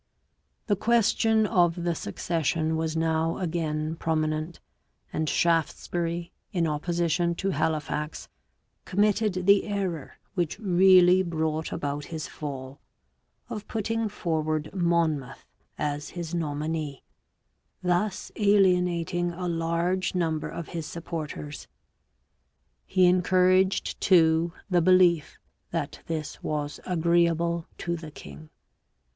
The question of the succession was now again prominent, and Shaftesbury, in opposition to Halifax, committed the error, which really brought about his fall, of putting forward Monmouth as his nominee, thus alienating a large number of his supporters; he encouraged, too, the belief that this was agreeable to the king.